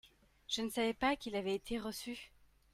Je ne savais pas qu'il avait été reçu.